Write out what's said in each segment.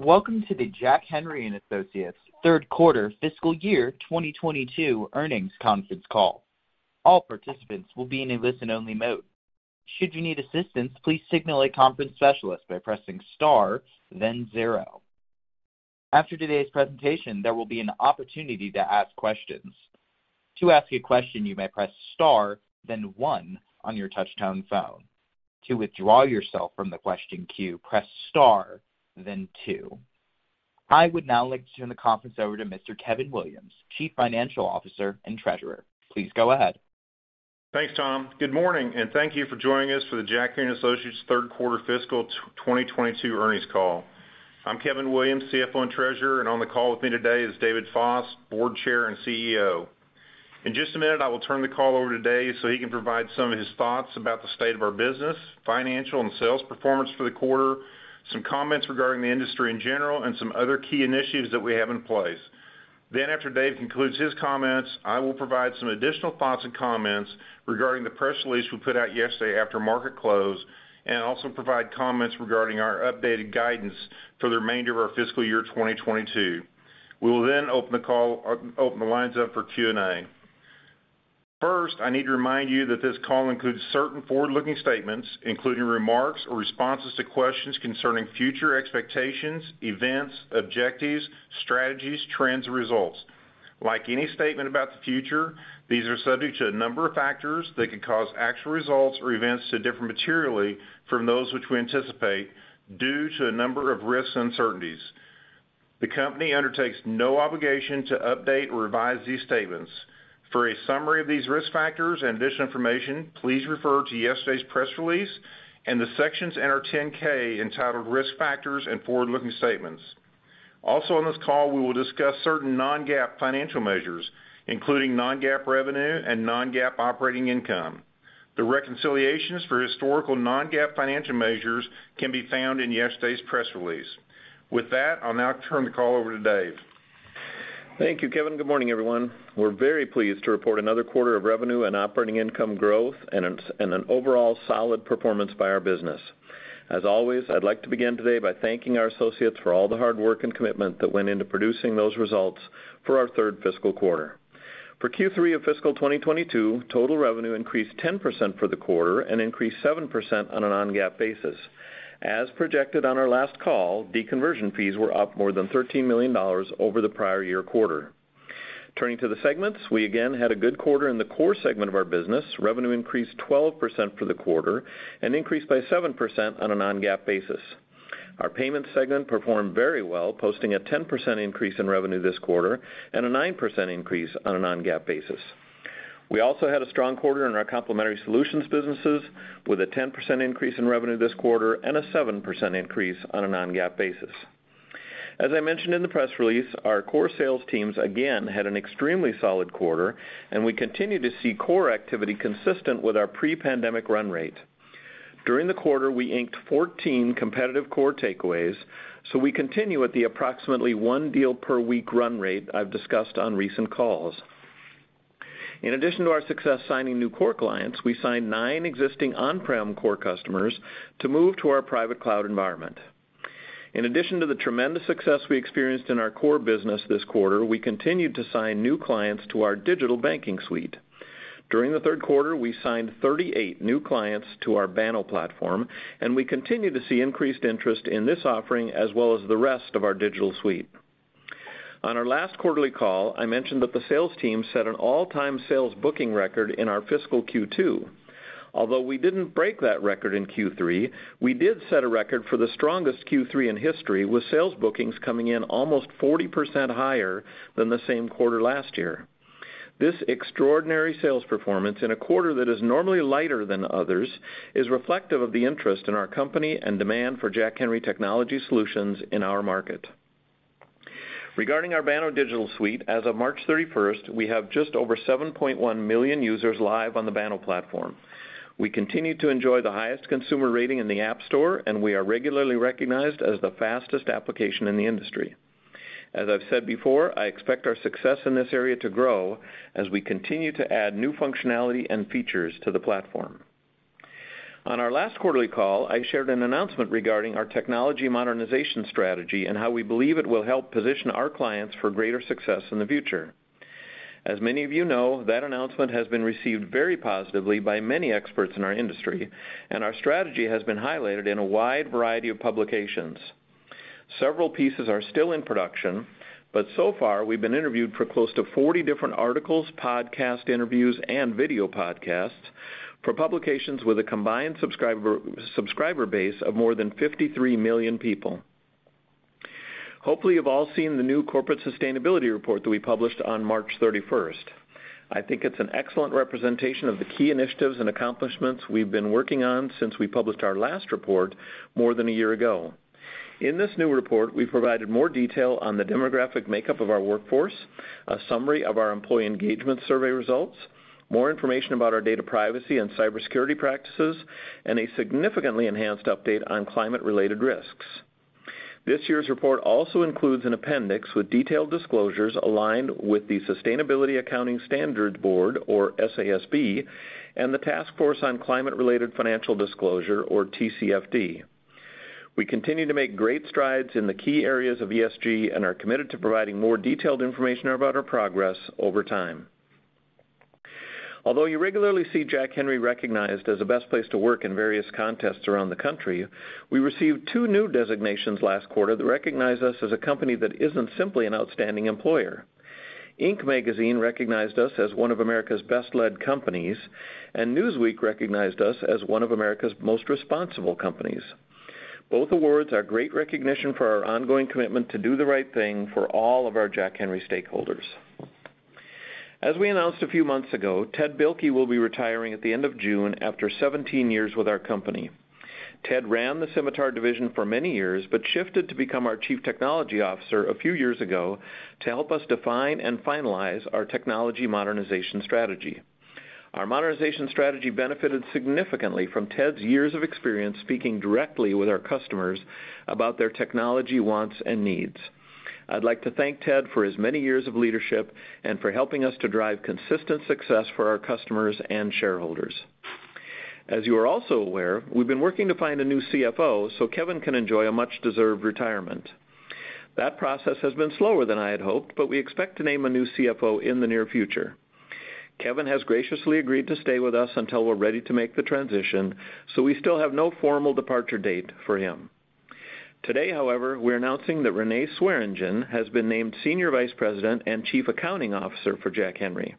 Welcome to the Jack Henry & Associates Q3 fiscal year 2022 earnings conference call. All participants will be in a listen-only mode. Should you need assistance, please signal a conference specialist by pressing star then zero. After today's presentation, there will be an opportunity to ask questions. To ask a question, you may press star then one on your touchtone phone. To withdraw yourself from the question queue, press star then two. I would now like to turn the conference over to Mr. Kevin Williams, Chief Financial Officer and Treasurer. Please go ahead. Thanks, Tom. Good morning, and thank you for joining us for the Jack Henry & Associates Q3 fiscal 2022 earnings call. I'm Kevin Williams, CFO and Treasurer, and on the call with me today is David Foss, Board Chair and CEO. In just a minute, I will turn the call over to Dave so he can provide some of his thoughts about the state of our business, financial and sales performance for the quarter, some comments regarding the industry in general and some other key initiatives that we have in place. Then after Dave concludes his comments, I will provide some additional thoughts and comments regarding the press release we put out yesterday after market close and also provide comments regarding our updated guidance for the remainder of our fiscal year 2022. We will then open the call, open the lines up for Q&A. First, I need to remind you that this call includes certain forward-looking statements, including remarks or responses to questions concerning future expectations, events, objectives, strategies, trends, and results. Like any statement about the future, these are subject to a number of factors that could cause actual results or events to differ materially from those which we anticipate due to a number of risks and uncertainties. The company undertakes no obligation to update or revise these statements. For a summary of these risk factors and additional information, please refer to yesterday's press release and the sections in our 10-K entitled Risk Factors and Forward-Looking Statements. Also on this call, we will discuss certain non-GAAP financial measures, including non-GAAP revenue and non-GAAP operating income. The reconciliations for historical non-GAAP financial measures can be found in yesterday's press release. With that, I'll now turn the call over to Dave. Thank you, Kevin. Good morning, everyone. We're very pleased to report another quarter of revenue and operating income growth and an overall solid performance by our business. As always, I'd like to begin today by thanking our associates for all the hard work and commitment that went into producing those results for our third fiscal quarter. For Q3 of fiscal 2022, total revenue increased 10% for the quarter and increased 7% on a non-GAAP basis. As projected on our last call, deconversion fees were up more than $13 million over the prior year quarter. Turning to the segments, we again had a good quarter in the core segment of our business. Revenue increased 12% for the quarter and increased by 7% on a non-GAAP basis. Our payment segment performed very well, posting a 10% increase in revenue this quarter and a 9% increase on a non-GAAP basis. We also had a strong quarter in our complementary solutions businesses with a 10% increase in revenue this quarter and a 7% increase on a non-GAAP basis. As I mentioned in the press release, our core sales teams again had an extremely solid quarter, and we continue to see core activity consistent with our pre-pandemic run rate. During the quarter, we inked 14 competitive core takeaways, so we continue at the approximately one deal per week run rate I've discussed on recent calls. In addition to our success signing new core clients, we signed nine existing on-prem core customers to move to our private cloud environment. In addition to the tremendous success we experienced in our core business this quarter, we continued to sign new clients to our digital banking suite. During the Q3, we signed 38 new clients to our Banno platform, and we continue to see increased interest in this offering as well as the rest of our digital suite. On our last quarterly call, I mentioned that the sales team set an all-time sales booking record in our fiscal Q2. Although we didn't break that record in Q3, we did set a record for the strongest Q3 in history, with sales bookings coming in almost 40% higher than the same quarter last year. This extraordinary sales performance in a quarter that is normally lighter than others is reflective of the interest in our company and demand for Jack Henry technology solutions in our market. Regarding our Banno Digital Suite, as of 31 March, we have just over 7.1 million users live on the Banno platform. We continue to enjoy the highest consumer rating in the App Store, and we are regularly recognized as the fastest application in the industry. As I've said before, I expect our success in this area to grow as we continue to add new functionality and features to the platform. On our last quarterly call, I shared an announcement regarding our technology modernization strategy and how we believe it will help position our clients for greater success in the future. As many of you know, that announcement has been received very positively by many experts in our industry, and our strategy has been highlighted in a wide variety of publications. Several pieces are still in production, but so far we've been interviewed for close to 40 different articles, podcast interviews and video podcasts for publications with a combined subscriber base of more than 53 million people. Hopefully, you've all seen the new corporate sustainability report that we published on 31 March. I think it's an excellent representation of the key initiatives and accomplishments we've been working on since we published our last report more than a year ago. In this new report, we provided more detail on the demographic makeup of our workforce, a summary of our employee engagement survey results, more information about our data privacy and cybersecurity practices, and a significantly enhanced update on climate-related risks. This year's report also includes an appendix with detailed disclosures aligned with the Sustainability Accounting Standards Board, or SASB, and the Task Force on Climate-related Financial Disclosures, or TCFD. We continue to make great strides in the key areas of ESG and are committed to providing more detailed information about our progress over time. Although you regularly see Jack Henry recognized as the best place to work in various contests around the country, we received two new designations last quarter that recognize us as a company that isn't simply an outstanding employer. Inc. Magazine recognized us as one of America's best-led companies, and Newsweek recognized us as one of America's most responsible companies. Both awards are great recognition for our ongoing commitment to do the right thing for all of our Jack Henry stakeholders. As we announced a few months ago, Ted Bilke will be retiring at the end of June after 17 years with our company. Ted ran the Symitar division for many years but shifted to become our Chief Technology Officer a few years ago to help us define and finalize our technology modernization strategy. Our modernization strategy benefited significantly from Ted's years of experience speaking directly with our customers about their technology wants and needs. I'd like to thank Ted for his many years of leadership and for helping us to drive consistent success for our customers and shareholders. As you are also aware, we've been working to find a new CFO so Kevin can enjoy a much-deserved retirement. That process has been slower than I had hoped, but we expect to name a new CFO in the near future. Kevin has graciously agreed to stay with us until we're ready to make the transition, so we still have no formal departure date for him. Today, however, we're announcing that Renee Swearingen has been named Senior Vice President and Chief Accounting Officer for Jack Henry.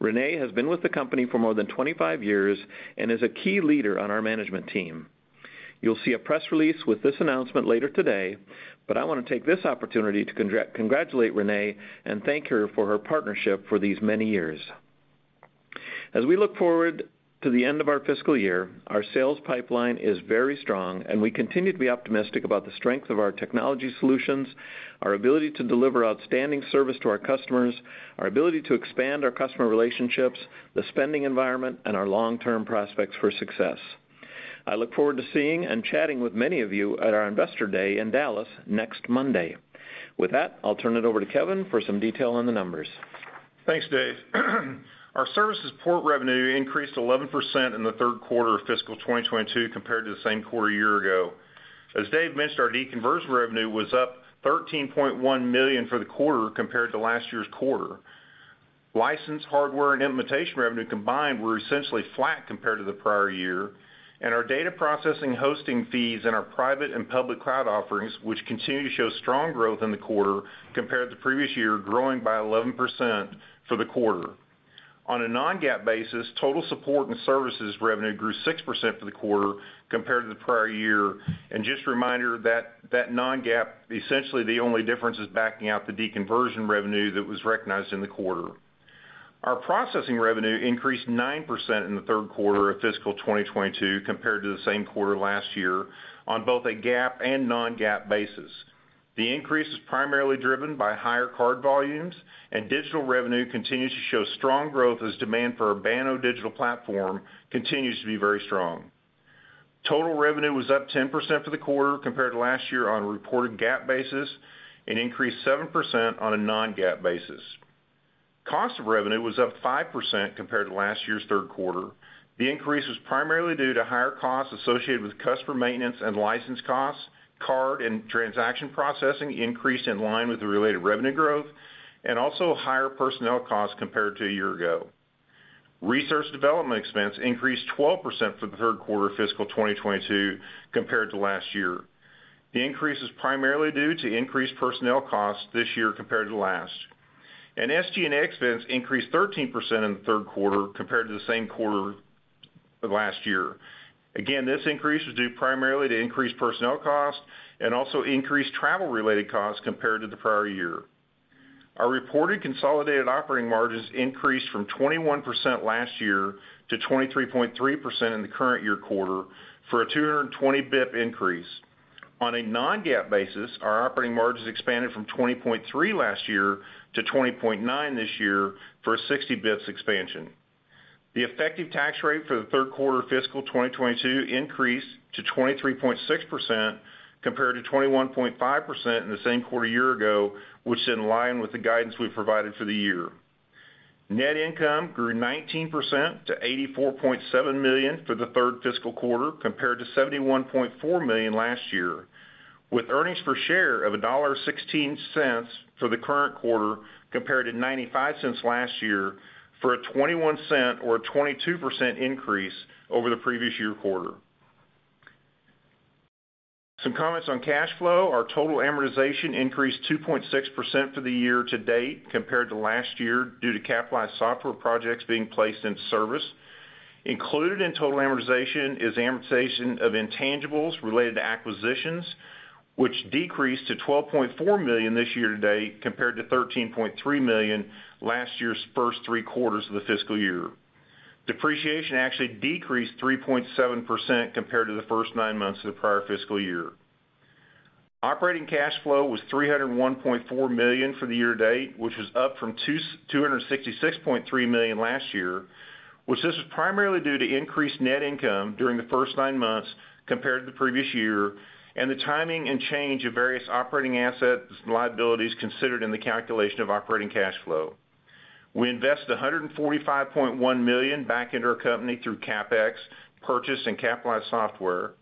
Renee has been with the company for more than 25 years and is a key leader on our management team. You'll see a press release with this announcement later today, but I want to take this opportunity to congratulate Renee and thank her for her partnership for these many years. As we look forward to the end of our fiscal year, our sales pipeline is very strong, and we continue to be optimistic about the strength of our technology solutions, our ability to deliver outstanding service to our customers, our ability to expand our customer relationships, the spending environment, and our long-term prospects for success. I look forward to seeing and chatting with many of you at our Investor Day in Dallas next Monday. With that, I'll turn it over to Kevin for some detail on the numbers. Thanks, Dave. Our services support revenue increased 11% in the Q3 of fiscal 2022 compared to the same quarter a year ago. As Dave mentioned, our deconversion revenue was up $13.1 million for the quarter compared to last year's quarter. License, hardware, and implementation revenue combined were essentially flat compared to the prior year, and our data processing hosting fees in our private and public cloud offerings, which continue to show strong growth in the quarter compared to previous year, growing by 11% for the quarter. On a non-GAAP basis, total support and services revenue grew 6% for the quarter compared to the prior year. Just a reminder that non-GAAP, essentially the only difference is backing out the deconversion revenue that was recognized in the quarter. Our processing revenue increased 9% in the Q3 of fiscal 2022 compared to the same quarter last year on both a GAAP and non-GAAP basis. The increase is primarily driven by higher card volumes, and digital revenue continues to show strong growth as demand for our Banno digital platform continues to be very strong. Total revenue was up 10% for the quarter compared to last year on a reported GAAP basis and increased 7% on a non-GAAP basis. Cost of revenue was up 5% compared to last year's Q3. The increase was primarily due to higher costs associated with customer maintenance and license costs, card and transaction processing increased in line with the related revenue growth, and also higher personnel costs compared to a year ago. Research and development expense increased 12% for the Q3 of fiscal 2022 compared to last year. The increase is primarily due to increased personnel costs this year compared to last. SG&A expense increased 13% in the Q3 compared to the same quarter of last year. Again, this increase was due primarily to increased personnel costs and also increased travel-related costs compared to the prior year. Our reported consolidated operating margins increased from 21% last year to 23.3% in the current year quarter for a 220 bps increase. On a non-GAAP basis, our operating margins expanded from 20.3% last year to 20.9% this year for a 60 bps expansion. The effective tax rate for the Q3 of fiscal 2022 increased to 23.6% compared to 21.5% in the same quarter a year ago, which is in line with the guidance we provided for the year. Net income grew 19% to $84.7 million for the third fiscal quarter, compared to $71.4 million last year, with earnings per share of $1.16 for the current quarter, compared to $0.95 last year for a $0.21 or a 22% increase over the previous year quarter. Some comments on cash flow. Our total amortization increased 2.6% for the year to date compared to last year due to capitalized software projects being placed into service. Included in total amortization is amortization of intangibles related to acquisitions, which decreased to $12.4 million this year to date compared to $13.3 million last year's first three quarters of the fiscal year. Depreciation actually decreased 3.7% compared to the first nine months of the prior fiscal year. Operating cash flow was $301.4 million for the year to date, which is up from two hundred and sixty-six point three million last year, which this was primarily due to increased net income during the first nine months compared to the previous year and the timing and change of various operating assets and liabilities considered in the calculation of operating cash flow. We invested $145.1 million back into our company through CapEx, purchase, and capitalized software.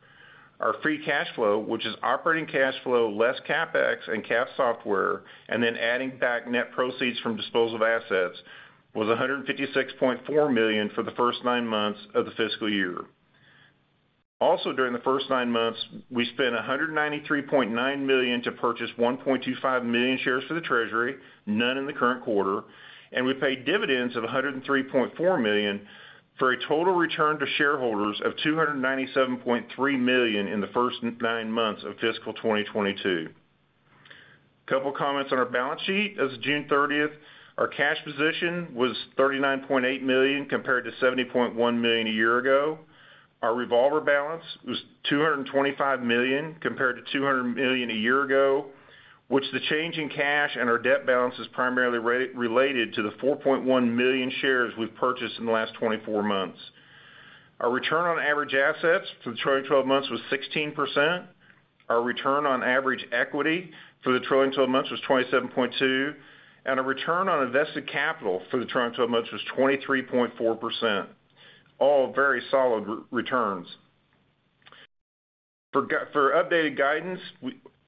Our free cash flow, which is operating cash flow less CapEx and capitalized software, and then adding back net proceeds from disposal of assets, was $156.4 million for the first nine months of the fiscal year. Also, during the first nine months, we spent $193.9 million to purchase 1.25 million shares for the treasury, none in the current quarter. We paid dividends of $103.4 million, for a total return to shareholders of $297.3 million in the first nine months of fiscal 2022. Couple of comments on our balance sheet. As of 30 June, our cash position was $39.8 million compared to $70.1 million a year ago. Our revolver balance was $225 million compared to $200 million a year ago, which the change in cash and our debt balance is primarily related to the 4.1 million shares we've purchased in the last 24 months. Our return on average assets for the trailing 12 months was 16%. Our return on average equity for the trailing 12 months was 27.2%. Our return on invested capital for the trailing 12 months was 23.4%. All very solid returns. For updated guidance,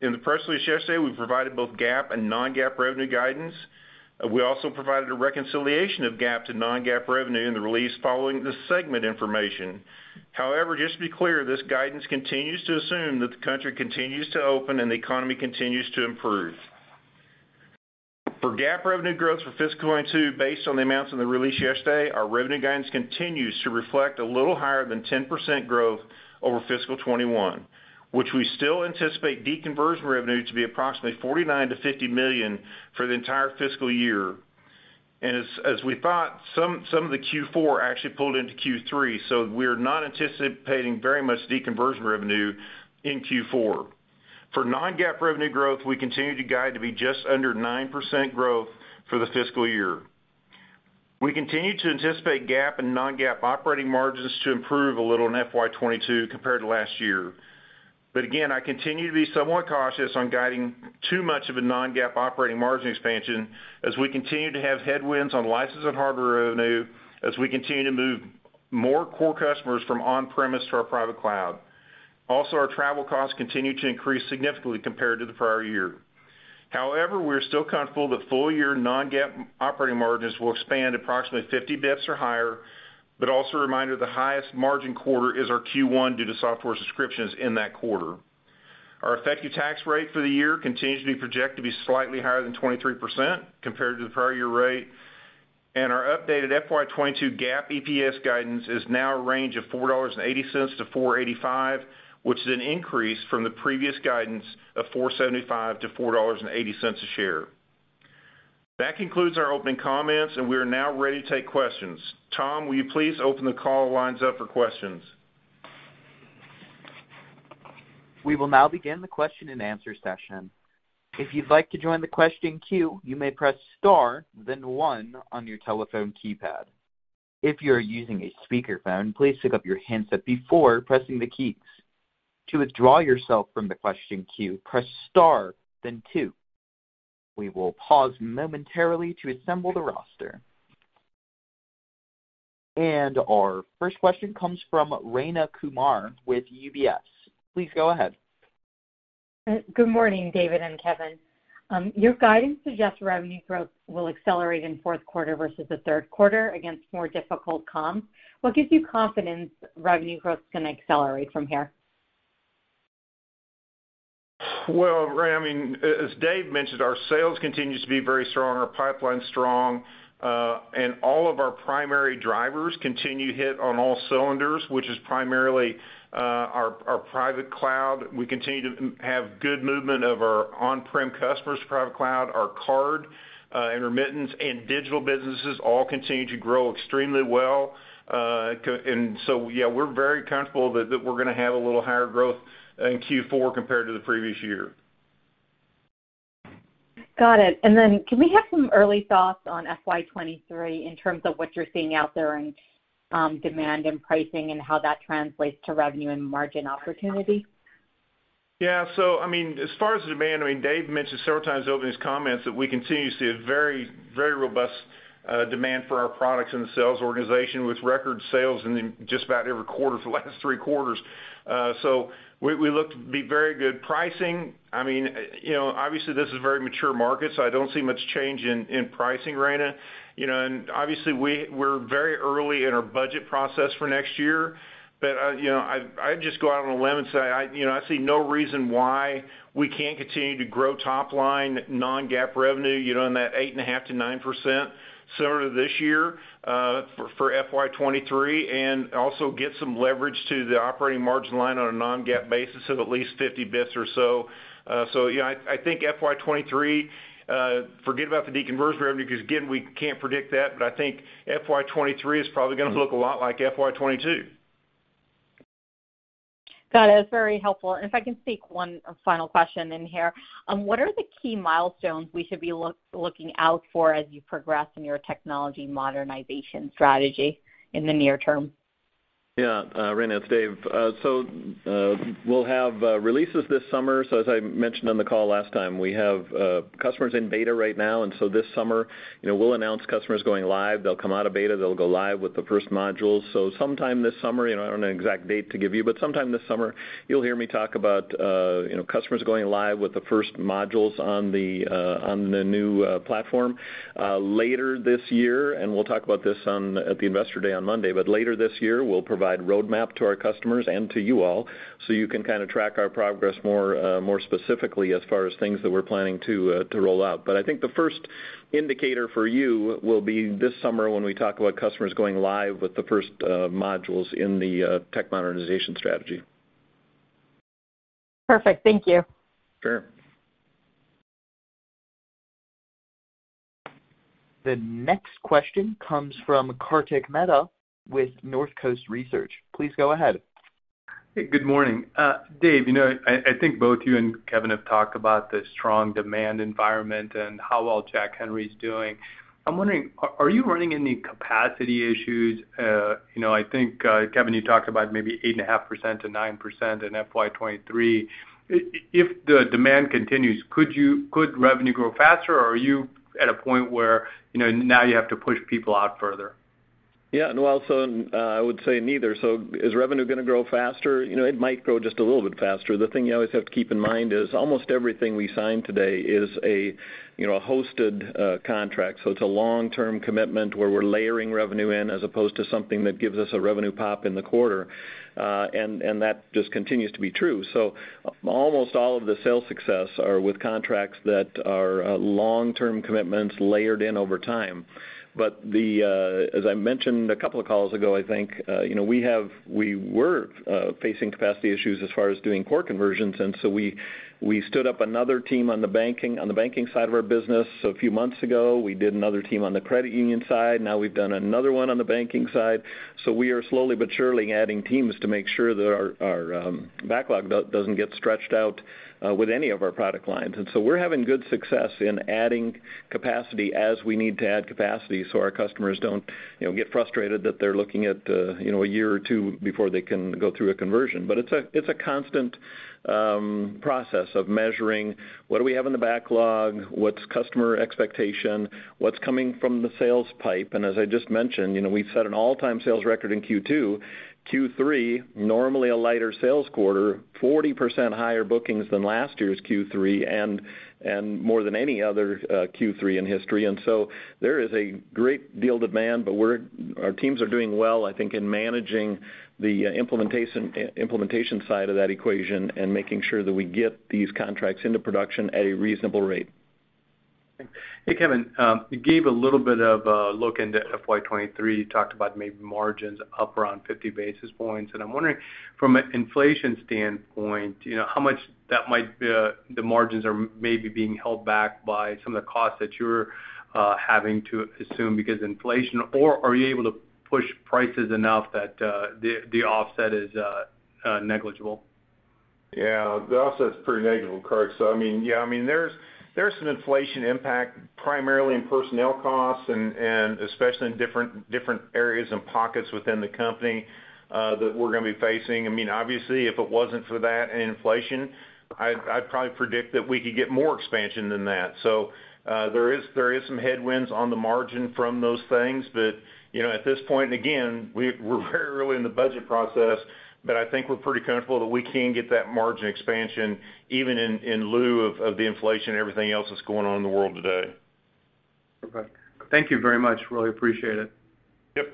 in the press release yesterday, we provided both GAAP and non-GAAP revenue guidance. We also provided a reconciliation of GAAP to non-GAAP revenue in the release following the segment information. However, just to be clear, this guidance continues to assume that the country continues to open and the economy continues to improve. For GAAP revenue growth for fiscal 2022, based on the amounts in the release yesterday, our revenue guidance continues to reflect a little higher than 10% growth over fiscal 2021, which we still anticipate deconversion revenue to be approximately $49 million-$50 million for the entire fiscal year. As we thought, some of the Q4 actually pulled into Q3, so we're not anticipating very much deconversion revenue in Q4. For non-GAAP revenue growth, we continue to guide to be just under 9% growth for the fiscal year. We continue to anticipate GAAP and non-GAAP operating margins to improve a little in FY 2022 compared to last year. Again, I continue to be somewhat cautious on guiding too much of a non-GAAP operating margin expansion as we continue to have headwinds on license and hardware revenue, as we continue to move more core customers from on-premise to our private cloud. Also, our travel costs continue to increase significantly compared to the prior year. However, we are still comfortable that full-year non-GAAP operating margins will expand approximately 50 basis points or higher, but also a reminder, the highest margin quarter is our Q1 due to software subscriptions in that quarter. Our effective tax rate for the year continues to be projected to be slightly higher than 23% compared to the prior year rate. Our updated FY 2022 GAAP EPS guidance is now a range of $4.80-$4.85, which is an increase from the previous guidance of $4.75-$4.80 a share. That concludes our opening comments, and we are now ready to take questions. Tom, will you please open the call lines up for questions? We will now begin the question-and-answer session. If you'd like to join the question queue, you may press star, then one on your telephone keypad. If you're using a speakerphone, please pick up your handset before pressing the keys. To withdraw yourself from the question queue, press star, then two. We will pause momentarily to assemble the roster. Our first question comes from Rayna Kumar with UBS. Please go ahead. Good morning, David and Kevin. Your guidance suggests revenue growth will accelerate in Q4 versus the Q3 against more difficult comp. What gives you confidence revenue growth is gonna accelerate from here? Well, Rayna, I mean, as Dave mentioned, our sales continues to be very strong, our pipeline's strong, and all of our primary drivers continue to hit on all cylinders, which is primarily our private cloud. We continue to have good movement of our on-prem customers to private cloud. Our card and remittance and digital businesses all continue to grow extremely well. Yeah, we're very comfortable that we're gonna have a little higher growth in Q4 compared to the previous year. Got it. Can we have some early thoughts on FY 2023 in terms of what you're seeing out there in demand and pricing and how that translates to revenue and margin opportunity? Yeah. I mean, as far as the demand, I mean, Dave mentioned several times over in his comments that we continue to see a very, very robust demand for our products in the sales organization, with record sales in just about every quarter for the last three quarters. We look to be very good. Pricing, I mean, you know, obviously, this is a very mature market, so I don't see much change in pricing, Rayna. You know, obviously we're very early in our budget process for next year. You know, I'd just go out on a limb and say, you know, I see no reason why we can't continue to grow top line non-GAAP revenue, you know, in that 8.5%-9% similar to this year, for FY 2023, and also get some leverage to the operating margin line on a non-GAAP basis of at least 50 bps or so. Yeah, I think FY 2023, forget about the deconversion revenue, because again, we can't predict that. I think FY 2023 is probably gonna look a lot like FY 2022. Got it. That's very helpful. If I can sneak one final question in here. What are the key milestones we should be looking out for as you progress in your technology modernization strategy in the near term? Yeah, Rayna, it's Dave. We'll have releases this summer. As I mentioned on the call last time, we have customers in beta right now. This summer, you know, we'll announce customers going live. They'll come out of beta, they'll go live with the first modules. Sometime this summer, you know, I don't have an exact date to give you, but sometime this summer, you'll hear me talk about, you know, customers going live with the first modules on the, on the new platform. Later this year, we'll talk about this at the Investor Day on Monday, but later this year, we'll provide roadmap to our customers and to you all, so you can kind of track our progress more specifically as far as things that we're planning to roll out. I think the first indicator for you will be this summer when we talk about customers going live with the first modules in the tech modernization strategy. Perfect. Thank you. Sure. The next question comes from Kartik Mehta with Northcoast Research. Please go ahead. Hey, good morning. Dave, you know, I think both you and Kevin have talked about the strong demand environment and how well Jack Henry's doing. I'm wondering, are you running any capacity issues? You know, I think, Kevin, you talked about maybe 8.5%-9% in FY 2023. If the demand continues, could revenue grow faster, or are you at a point where, you know, now you have to push people out further? Yeah. No, also, and I would say neither. Is revenue going to grow faster? You know, it might grow just a little bit faster. The thing you always have to keep in mind is almost everything we sign today is a, you know, a hosted contract. It's a long-term commitment where we're layering revenue in as opposed to something that gives us a revenue pop in the quarter, and that just continues to be true. Almost all of the sales success are with contracts that are long-term commitments layered in over time. But, as I mentioned a couple of calls ago, I think, you know, we were facing capacity issues as far as doing core conversions, and so we stood up another team on the banking side of our business. A few months ago, we did another team on the credit union side. Now we've done another one on the banking side. We are slowly but surely adding teams to make sure that our backlog doesn't get stretched out with any of our product lines. We're having good success in adding capacity as we need to add capacity so our customers don't, you know, get frustrated that they're looking at a year or two before they can go through a conversion. It's a constant process of measuring what do we have in the backlog, what's customer expectation, what's coming from the sales pipe. As I just mentioned, you know, we set an all-time sales record in Q2. Q3, normally a lighter sales quarter, 40% higher bookings than last year's Q3 and more than any other Q3 in history. There is a great deal of demand, but our teams are doing well, I think, in managing the implementation side of that equation and making sure that we get these contracts into production at a reasonable rate. Hey, Kevin. You gave a little bit of a look into FY 2023. You talked about maybe margins up around 50 basis points. I'm wondering from an inflation standpoint, you know, how much that might be, the margins are maybe being held back by some of the costs that you're having to assume because inflation or are you able to push prices enough that the offset is negligible? Yeah. The offset's pretty negligible, Kartik. I mean, yeah, I mean, there's some inflation impact primarily in personnel costs and especially in different areas and pockets within the company that we're going to be facing. I mean, obviously, if it wasn't for that and inflation, I'd probably predict that we could get more expansion than that. There is some headwinds on the margin from those things. You know, at this point, and again, we're very early in the budget process, but I think we're pretty comfortable that we can get that margin expansion even in lieu of the inflation and everything else that's going on in the world today. Okay. Thank you very much. Really appreciate it. Yep.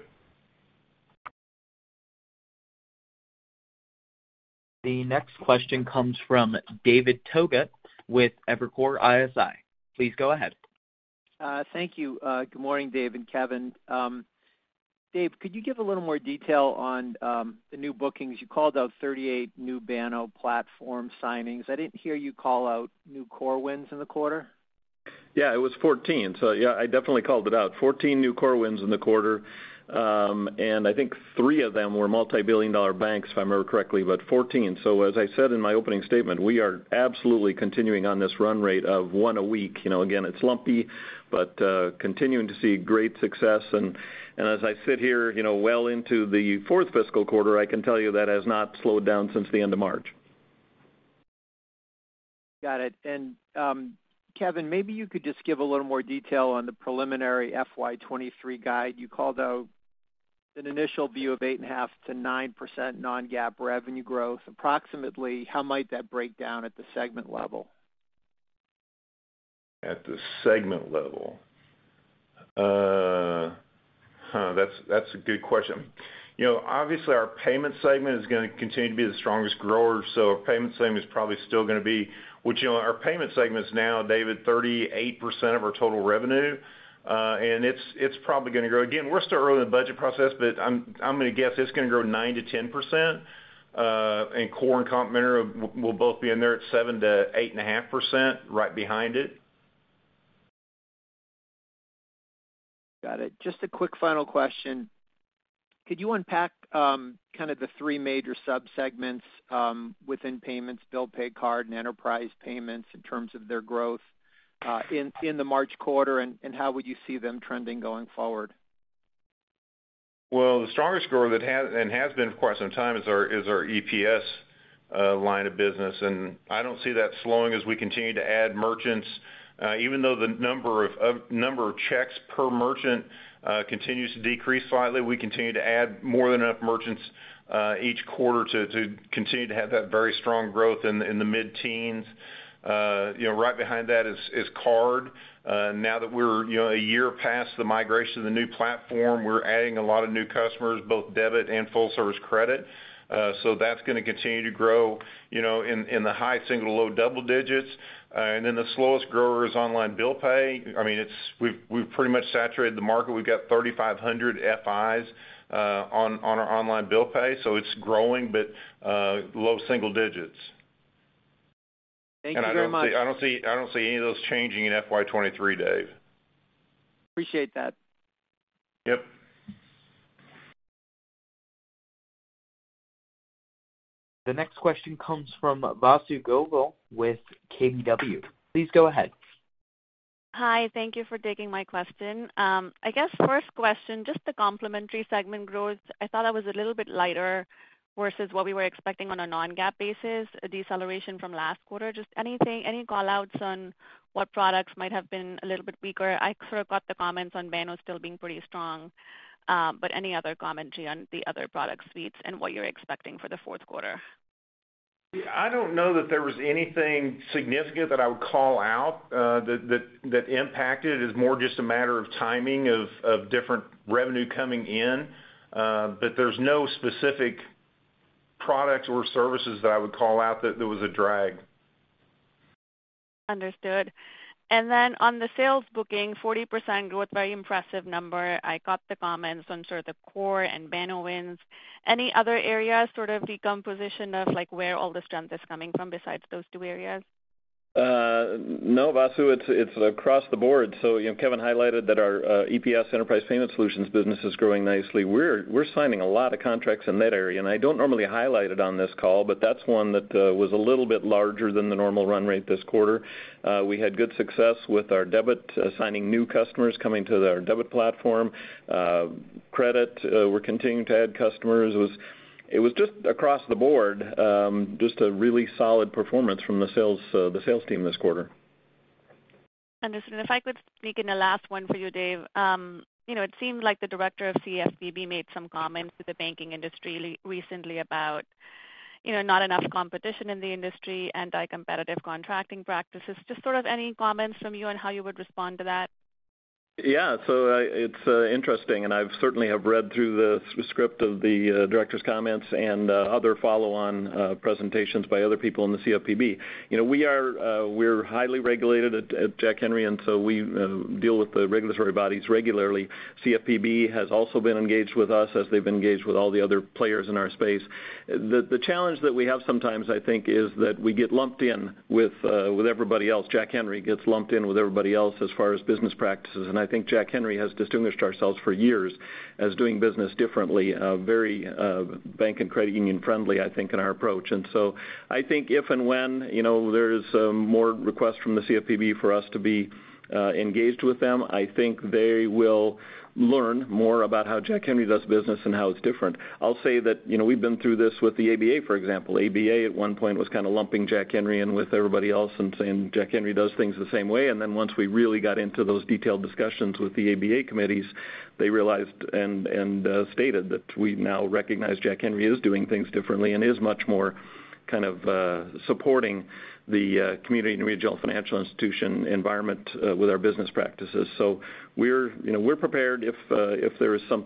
The next question comes from David Togut with Evercore ISI. Please go ahead. Thank you. Good morning, Dave and Kevin. Dave, could you give a little more detail on the new bookings? You called out 38 new Banno platform signings. I didn't hear you call out new core wins in the quarter. Yeah, it was 14. Yeah, I definitely called it out. 14 new core wins in the quarter. I think three of them were multi-billion dollar banks, if I remember correctly, but 14. As I said in my opening statement, we are absolutely continuing on this run rate of one a week. You know, again, it's lumpy, but continuing to see great success. As I sit here, you know, well into the fourth fiscal quarter, I can tell you that has not slowed down since the end of March. Got it. Kevin, maybe you could just give a little more detail on the preliminary FY 2023 guide. You called out an initial view of 8.5%-9% non-GAAP revenue growth. Approximately, how might that break down at the segment level? At the segment level? That's a good question. You know, obviously, our payments segment is gonna continue to be the strongest grower. Our payments segment is probably still gonna be, you know, our payment segment is now, David, 38% of our total revenue. It's probably gonna grow. Again, we're still early in the budget process, but I'm gonna guess it's gonna grow 9%-10%. Core and complementary will both be in there at 7%-8.5% right behind it. Got it. Just a quick final question. Could you unpack, kind of the three major subsegments within payments, bill pay, card and enterprise payments in terms of their growth in the March quarter, and how would you see them trending going forward? Well, the strongest grower that has been for quite some time is our EPS line of business, and I don't see that slowing as we continue to add merchants. Even though the number of checks per merchant continues to decrease slightly, we continue to add more than enough merchants each quarter to continue to have that very strong growth in the mid-teens. You know, right behind that is card. Now that we're, you know, a year past the migration of the new platform, we're adding a lot of new customers, both debit and full service credit. So that's gonna continue to grow, you know, in the high single, low double digits. Then the slowest grower is online bill pay. I mean, it's. We've pretty much saturated the market. We've got 3,500 FIs on our online bill pay, so it's growing but low single digits. Thank you very much. I don't see any of those changing in FY 2023, Dave. Appreciate that. Yep. The next question comes from Vasundhara Govil with KBW. Please go ahead. Hi, thank you for taking my question. I guess first question, just the complementary segment growth. I thought that was a little bit lighter versus what we were expecting on a non-GAAP basis, a deceleration from last quarter. Just anything, any call outs on what products might have been a little bit weaker? I sort of got the comments on Banno still being pretty strong, but any other commentary on the other product suites and what you're expecting for the Q4? Yeah, I don't know that there was anything significant that I would call out, that impacted. It's more just a matter of timing of different revenue coming in. There's no specific products or services that I would call out that there was a drag. Understood. On the sales booking, 40% growth, very impressive number. I caught the comments on sort of the core and Banno wins. Any other areas, sort of decomposition of like where all the strength is coming from besides those two areas? No, Vasu, it's across the board. You know, Kevin highlighted that our EPS, Enterprise Payment Solutions business is growing nicely. We're signing a lot of contracts in that area, and I don't normally highlight it on this call, but that's one that was a little bit larger than the normal run rate this quarter. We had good success with our debit, signing new customers coming to our debit platform. Credit, we're continuing to add customers. It was just across the board, just a really solid performance from the sales team this quarter. Understood. If I could sneak in a last one for you, Dave. You know, it seems like the director of CFPB made some comments to the banking industry recently about, you know, not enough competition in the industry, anti-competitive contracting practices. Just sort of any comments from you on how you would respond to that? Yeah. It's interesting, and I've certainly have read through the script of the director's comments and other follow-on presentations by other people in the CFPB. You know, we're highly regulated at Jack Henry, and so we deal with the regulatory bodies regularly. CFPB has also been engaged with us as they've engaged with all the other players in our space. The challenge that we have sometimes, I think, is that we get lumped in with everybody else. Jack Henry gets lumped in with everybody else as far as business practices, and I think Jack Henry has distinguished ourselves for years as doing business differently, very bank and credit union friendly, I think, in our approach. I think if and when, you know, there's more requests from the CFPB for us to be engaged with them, I think they will learn more about how Jack Henry does business and how it's different. I'll say that, you know, we've been through this with the ABA, for example. ABA at one point was kind of lumping Jack Henry in with everybody else and saying Jack Henry does things the same way. Then once we really got into those detailed discussions with the ABA committees, they realized and stated that we now recognize Jack Henry is doing things differently and is much more kind of supporting the community and regional financial institution environment with our business practices. You know, we're prepared if there is some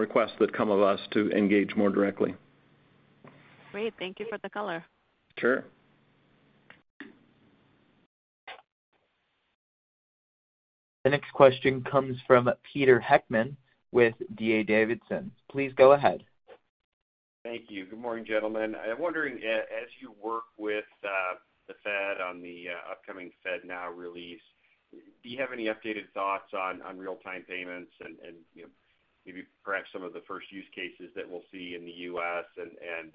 requests that come to us to engage more directly. Great. Thank you for the color. Sure. The next question comes from Peter Heckmann with D.A. Davidson. Please go ahead. Thank you. Good morning, gentlemen. I'm wondering, as you work with the Fed on the upcoming FedNow release, do you have any updated thoughts on real-time payments and, you know, maybe perhaps some of the first use cases that we'll see in the U.S. and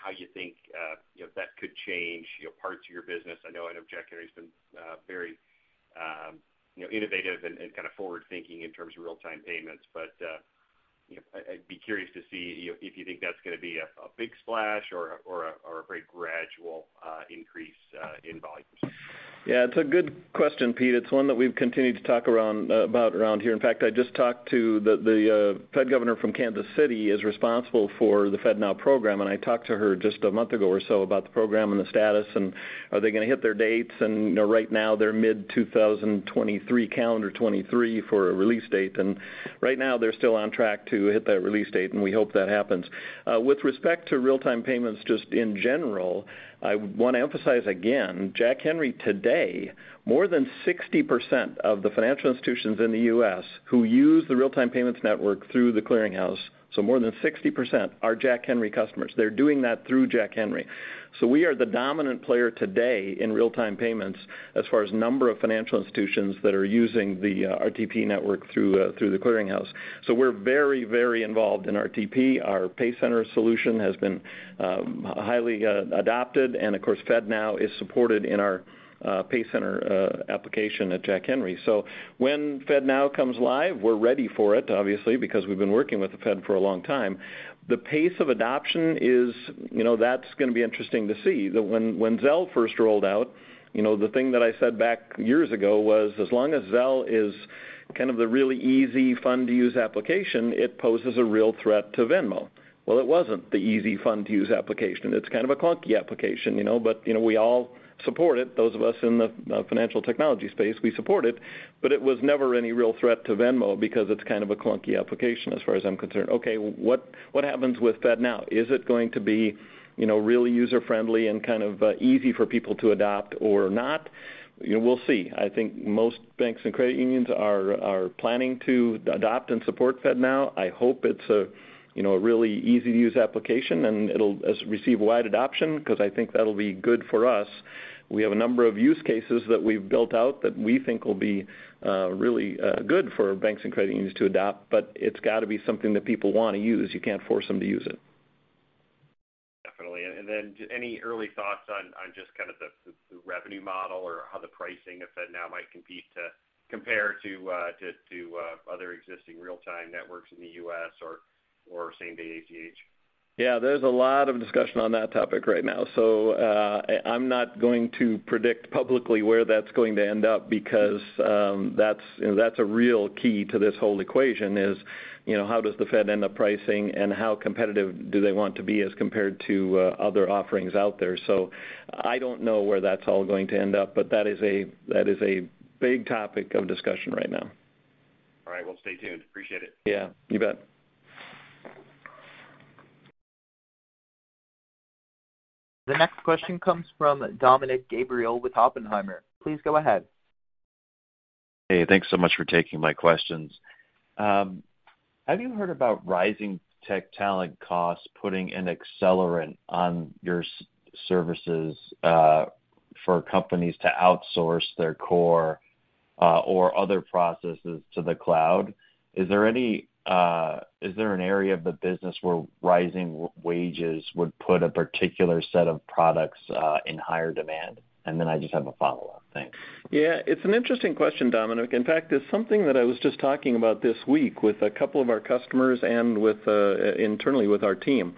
how you think, you know, that could change, you know, parts of your business? I know Jack Henry's been very, you know, innovative and kind of forward-thinking in terms of real-time payments. You know, I'd be curious to see, you know, if you think that's gonna be a big splash or a very gradual increase in volumes. Yeah, it's a good question, Pete. It's one that we've continued to talk about around here. In fact, I just talked to the Fed governor from Kansas City who is responsible for the FedNow program, and I talked to her just a month ago or so about the program and the status and are they gonna hit their dates. You know, right now, they're mid-2023, calendar 2023 for a release date. Right now they're still on track to hit that release date, and we hope that happens. With respect to real-time payments, just in general, I want to emphasize again, Jack Henry today, more than 60% of the financial institutions in the U.S. who use the real-time payments network through The Clearing House, so more than 60% are Jack Henry customers. They're doing that through Jack Henry. We are the dominant player today in real-time payments as far as number of financial institutions that are using the RTP network through the Clearing House. We're very, very involved in RTP. Our PayCenter solution has been highly adopted, and of course, FedNow is supported in our PayCenter application at Jack Henry. When FedNow comes live, we're ready for it, obviously, because we've been working with the Fed for a long time. The pace of adoption is. You know, that's gonna be interesting to see. When Zelle first rolled out, you know, the thing that I said back years ago was, as long as Zelle is kind of the really easy, fun-to-use application, it poses a real threat to Venmo. Well, it wasn't the easy, fun-to-use application. It's kind of a clunky application, you know. You know, we all support it. Those of us in the financial technology space, we support it, but it was never any real threat to Venmo because it's kind of a clunky application as far as I'm concerned. Okay, what happens with FedNow? Is it going to be, you know, really user-friendly and kind of easy for people to adopt or not? You know, we'll see. I think most banks and credit unions are planning to adopt and support FedNow. I hope it's a, you know, a really easy-to-use application and it'll receive wide adoption 'cause I think that'll be good for us. We have a number of use cases that we've built out that we think will be, really, good for banks and credit unions to adopt, but it's gotta be something that people wanna use. You can't force them to use it. Definitely. Any early thoughts on just kind of the revenue model or how the pricing of FedNow might compare to other existing real-time networks in the U.S. or same day ACH? Yeah, there's a lot of discussion on that topic right now. I'm not going to predict publicly where that's going to end up because that's, you know, that's a real key to this whole equation is, you know, how does the Fed end up pricing and how competitive do they want to be as compared to other offerings out there. I don't know where that's all going to end up, but that is a big topic of discussion right now. All right. We'll stay tuned. Appreciate it. Yeah, you bet. The next question comes from Dominick Gabriele with Oppenheimer. Please go ahead. Hey, thanks so much for taking my questions. Have you heard about rising tech talent costs putting an accelerant on your services for companies to outsource their core or other processes to the cloud? Is there an area of the business where rising wages would put a particular set of products in higher demand? I just have a follow-up. Thanks. Yeah. It's an interesting question, Dominic. In fact, it's something that I was just talking about this week with a couple of our customers and with internally with our team.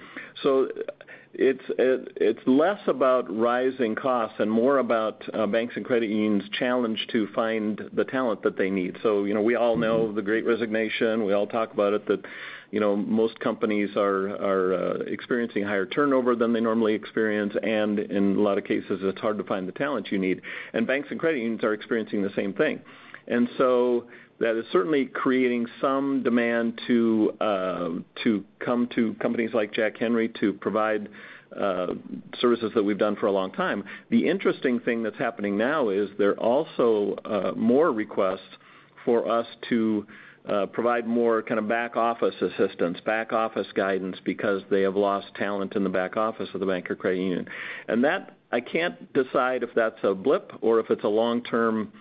It's less about rising costs and more about banks and credit unions' challenge to find the talent that they need. You know, we all know the Great Resignation. We all talk about it, that you know, most companies are experiencing higher turnover than they normally experience, and in a lot of cases, it's hard to find the talent you need. Banks and credit unions are experiencing the same thing. That is certainly creating some demand to come to companies like Jack Henry to provide services that we've done for a long time. The interesting thing that's happening now is there are also more requests for us to provide more kind of back office assistance, back office guidance because they have lost talent in the back office of the bank or credit union. That, I can't decide if that's a blip or if it's a long-term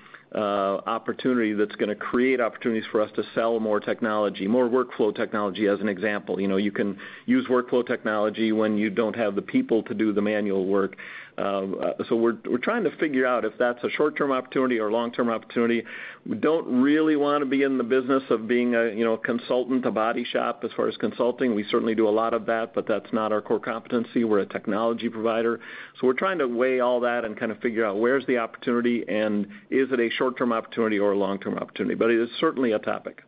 opportunity that's gonna create opportunities for us to sell more technology, more workflow technology, as an example. You know, you can use workflow technology when you don't have the people to do the manual work. So we're trying to figure out if that's a short-term opportunity or long-term opportunity. We don't really wanna be in the business of being a, you know, a consultant, a body shop as far as consulting. We certainly do a lot of that, but that's not our core competency. We're a technology provider. We're trying to weigh all that and kind of figure out where's the opportunity and is it a short-term opportunity or a long-term opportunity. It is certainly a topic.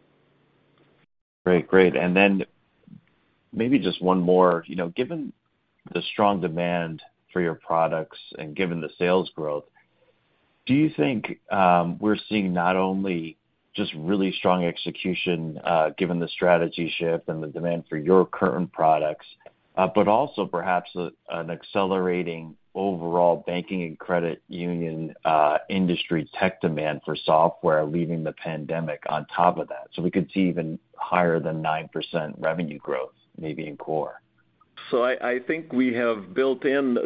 Great. Maybe just one more. You know, given the strong demand for your products and given the sales growth, do you think we're seeing not only just really strong execution, given the strategy shift and the demand for your current products, but also perhaps an accelerating overall banking and credit union industry tech demand for software leaving the pandemic on top of that? We could see even higher than 9% revenue growth maybe in core. I think we have built in.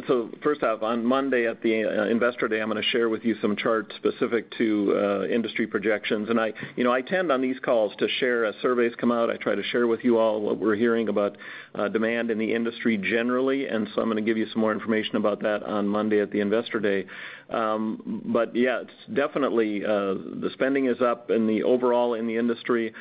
First off, on Monday at the Investor Day, I'm gonna share with you some charts specific to industry projections. You know, I tend on these calls to share, as surveys come out, I try to share with you all what we're hearing about demand in the industry generally. I'm gonna give you some more information about that on Monday at the Investor Day. But yeah, it's definitely the spending is up overall in the industry,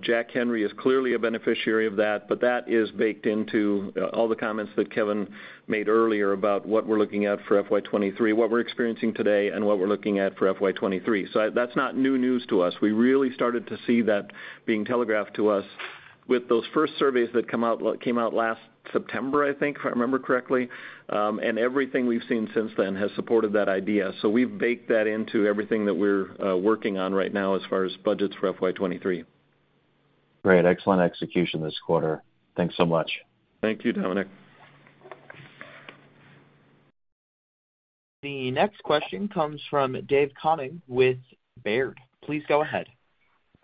Jack Henry is clearly a beneficiary of that, but that is baked into all the comments that Kevin made earlier about what we're looking at for FY 2023, what we're experiencing today, and what we're looking at for FY 2023. That's not new news to us. We really started to see that being telegraphed to us with those first surveys that came out last September, I think, if I remember correctly. Everything we've seen since then has supported that idea. We've baked that into everything that we're working on right now as far as budgets for FY 23. Great. Excellent execution this quarter. Thanks so much. Thank you, Dominick. The next question comes from David Koning with Baird. Please go ahead.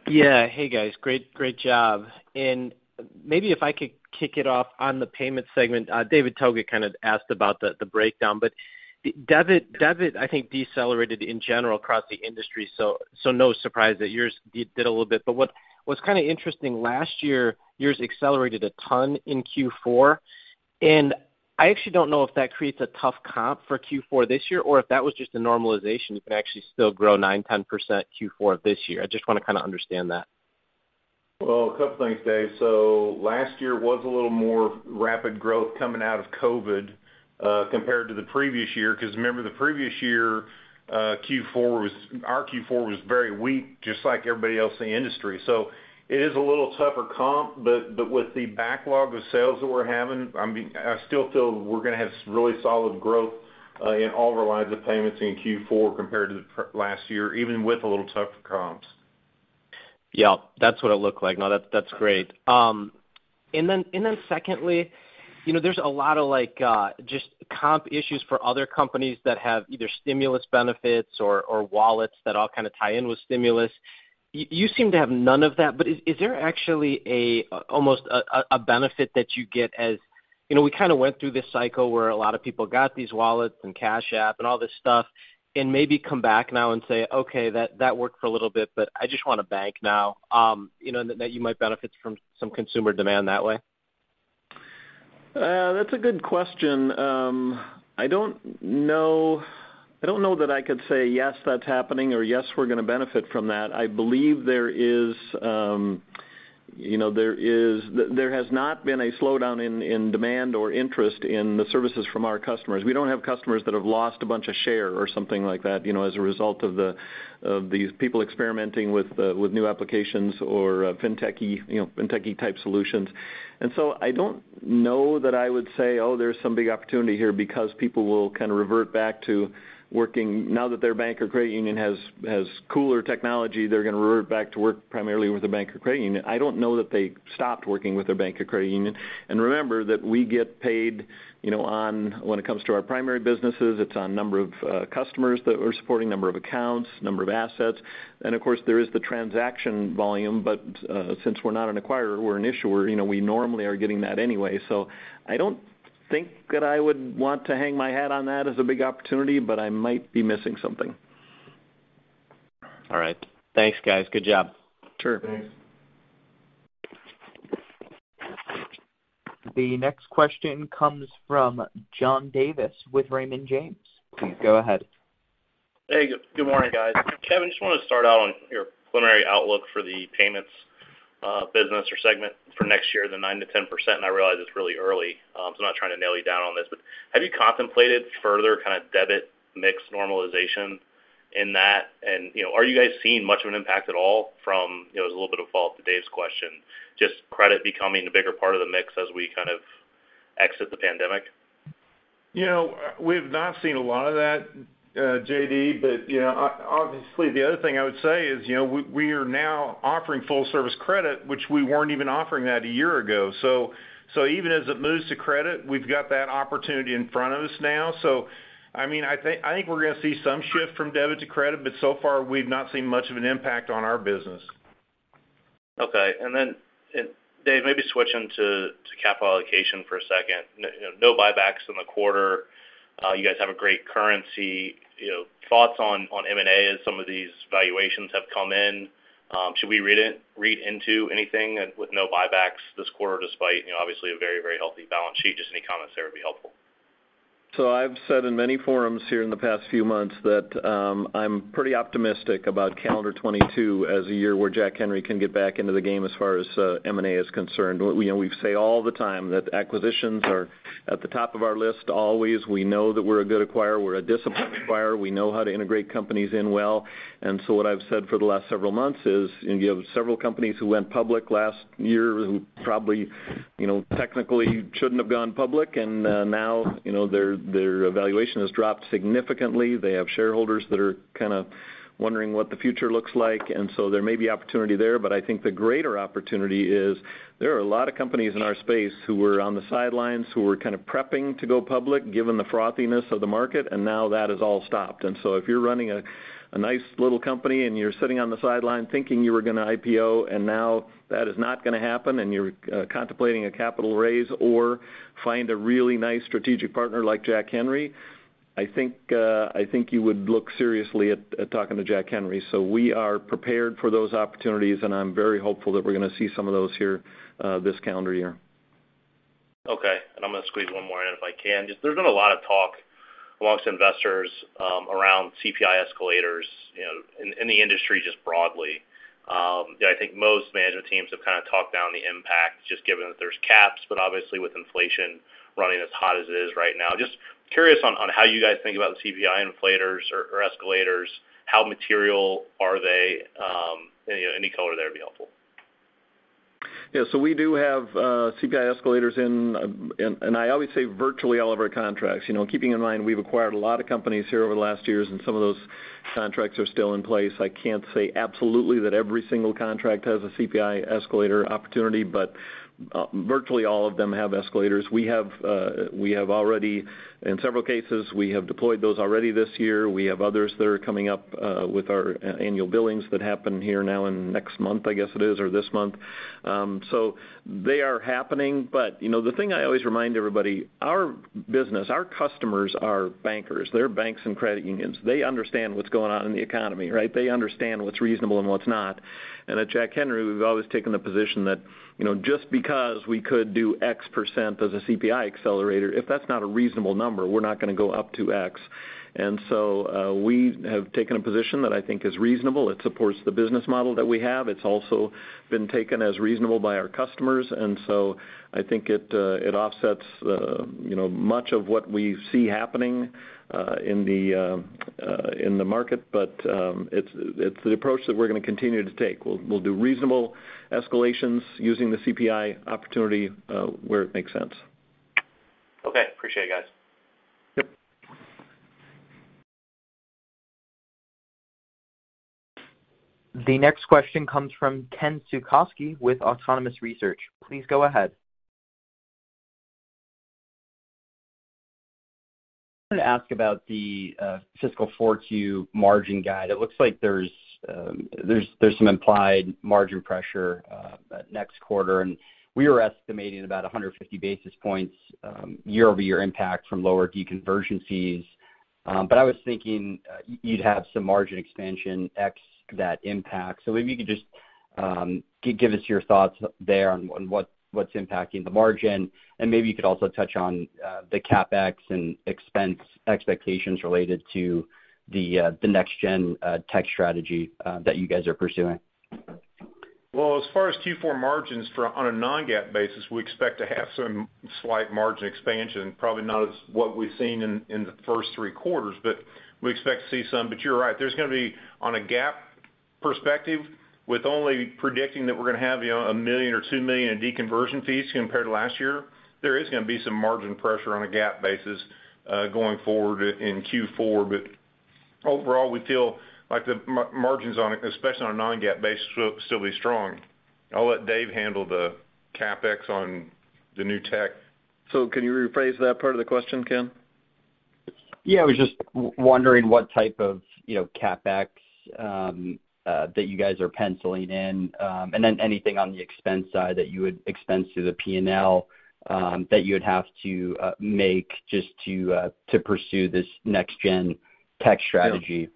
Yeah. Hey, guys. Great job. Maybe if I could kick it off on the payment segment. David Togut kind of asked about the breakdown, but debit I think decelerated in general across the industry, so no surprise that yours did a little bit. What's kind of interesting, last year, yours accelerated a ton in Q4. I actually don't know if that creates a tough comp for Q4 this year, or if that was just a normalization, you can actually still grow 9%-10% Q4 this year. I just wanna kinda understand that. Well, a couple things, Dave. Last year was a little more rapid growth coming out of COVID compared to the previous year, because remember the previous year, our Q4 was very weak, just like everybody else in the industry. It is a little tougher comp, but with the backlog of sales that we're having, I mean, I still feel we're gonna have really solid growth in all of our lines of payments in Q4 compared to last year, even with a little tougher comps. Yeah. That's what it looked like. No, that's great. Secondly, you know, there's a lot of like just comp issues for other companies that have either stimulus benefits or wallets that all kind of tie in with stimulus. You seem to have none of that, but is there actually almost a benefit that you get? You know, we kind of went through this cycle where a lot of people got these wallets and Cash App and all this stuff, and maybe come back now and say, "Okay, that worked for a little bit, but I just want a bank now." You know, that you might benefit from some consumer demand that way. That's a good question. I don't know that I could say, yes, that's happening, or yes, we're gonna benefit from that. I believe there is, you know, there has not been a slowdown in demand or interest in the services from our customers. We don't have customers that have lost a bunch of share or something like that, you know, as a result of these people experimenting with new applications or fintech-y, you know, fintech-y type solutions. I don't know that I would say, "Oh, there's some big opportunity here," because people will kind of revert back to working. Now that their bank or credit union has cooler technology, they're gonna revert back to work primarily with their bank or credit union. I don't know that they stopped working with their bank or credit union. Remember that we get paid, you know, on, when it comes to our primary businesses, it's on number of, customers that we're supporting, number of accounts, number of assets. Of course, there is the transaction volume, but, since we're not an acquirer, we're an issuer, you know, we normally are getting that anyway. I don't think that I would want to hang my hat on that as a big opportunity, but I might be missing something. All right. Thanks, guys. Good job. Sure. Thanks. The next question comes from John Davis with Raymond James. Please go ahead. Hey, good morning, guys. Kevin, just wanted to start out on your preliminary outlook for the payments business or segment for next year, the 9%-10%, and I realize it's really early, so I'm not trying to nail you down on this. Have you contemplated further kind of debit mix normalization in that? And, you know, are you guys seeing much of an impact at all from, you know, as a little bit of a follow-up to Dave's question, just credit becoming a bigger part of the mix as we kind of exit the pandemic? You know, we've not seen a lot of that, JD. Obviously, the other thing I would say is, you know, we are now offering full service credit, which we weren't even offering that a year ago. Even as it moves to credit, we've got that opportunity in front of us now. I mean, I think we're gonna see some shift from debit to credit, but so far we've not seen much of an impact on our business. Okay. Dave, maybe switching to capital allocation for a second. You know, no buybacks in the quarter. You guys have a great currency. You know, thoughts on M&A as some of these valuations have come in. Should we read into anything with no buybacks this quarter, despite you know, obviously a very healthy balance sheet? Just any comments there would be helpful. I've said in many forums here in the past few months that I'm pretty optimistic about calendar 2022 as a year where Jack Henry can get back into the game as far as M&A is concerned. You know, we say all the time that acquisitions are at the top of our list always. We know that we're a good acquirer. We're a disciplined acquirer. We know how to integrate companies well. What I've said for the last several months is you have several companies who went public last year who probably, you know, technically shouldn't have gone public, and now, you know, their valuation has dropped significantly. They have shareholders that are kind of wondering what the future looks like. There may be opportunity there. I think the greater opportunity is there are a lot of companies in our space who were on the sidelines, who were kind of prepping to go public, given the frothiness of the market, and now that has all stopped. If you're running a nice little company and you're sitting on the sideline thinking you were gonna IPO, and now that is not gonna happen and you're contemplating a capital raise or find a really nice strategic partner like Jack Henry, I think I think you would look seriously at talking to Jack Henry. We are prepared for those opportunities, and I'm very hopeful that we're gonna see some of those here this calendar year. Okay. I'm gonna squeeze one more in if I can. Just there's been a lot of talk among investors around CPI escalators, you know, in the industry just broadly. You know, I think most management teams have kind of talked down the impact just given that there's caps, but obviously with inflation running as hot as it is right now. Just curious on how you guys think about the CPI inflators or escalators, how material are they? Any color there would be helpful. Yeah, we do have CPI escalators, and I always say virtually all of our contracts. You know, keeping in mind we've acquired a lot of companies here over the last years, and some of those contracts are still in place. I can't say absolutely that every single contract has a CPI escalator opportunity, but virtually all of them have escalators. We have already in several cases deployed those already this year. We have others that are coming up with our annual billings that happen here now in next month, I guess it is, or this month. They are happening. You know, the thing I always remind everybody, our business, our customers are bankers. They're banks and credit unions. They understand what's going on in the economy, right? They understand what's reasonable and what's not. At Jack Henry, we've always taken the position that, you know, just because we could do X% as a CPI accelerator, if that's not a reasonable number, we're not gonna go up to X. We have taken a position that I think is reasonable. It supports the business model that we have. It's also been taken as reasonable by our customers. I think it offsets, you know, much of what we see happening in the market, but it's the approach that we're gonna continue to take. We'll do reasonable escalations using the CPI opportunity where it makes sense. Okay. Appreciate it, guys. Yep. The next question comes from Kenneth Suchoski with Autonomous Research. Please go ahead. I'm gonna ask about the fiscal Q4 margin guide. It looks like there's some implied margin pressure next quarter, and we were estimating about 150 basis points year-over-year impact from lower deconversion fees. I was thinking you'd have some margin expansion ex that impact. Maybe you could just give us your thoughts there on what's impacting the margin, and maybe you could also touch on the CapEx and expense expectations related to the next-gen tech strategy that you guys are pursuing. Well, as far as Q4 margins on a non-GAAP basis, we expect to have some slight margin expansion, probably not as what we've seen in the first three quarters, but we expect to see some. You're right. There's gonna be on a GAAP perspective, with only predicting that we're gonna have, you know, $1 million or $2 million in deconversion fees compared to last year, there is gonna be some margin pressure on a GAAP basis going forward in Q4. Overall, we feel like the margins on it, especially on a non-GAAP basis, will still be strong. I'll let Dave handle the CapEx on the new tech. Can you rephrase that part of the question, Ken? Yeah. I was just wondering what type of, you know, CapEx, that you guys are penciling in, and then anything on the expense side that you would expense through the P&L, that you would have to pursue this next-gen tech strategy.